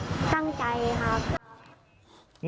ตั้งใจครับ